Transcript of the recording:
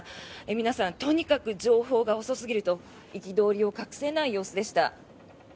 皆さんとにかく情報が遅すぎると憤りを隠せない様子でした。